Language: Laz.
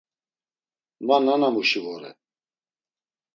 Ma nanamuşi vore.